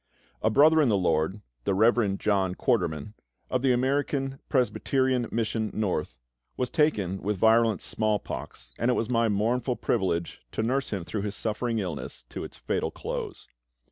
A brother in the LORD, the Rev. John Quarterman, of the American Presbyterian Mission North, was taken with virulent small pox, and it was my mournful privilege to nurse him through his suffering illness to its fatal close.